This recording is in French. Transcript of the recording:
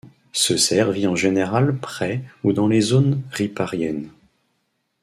Ce cerf vit en général près ou dans les zones ripariennes.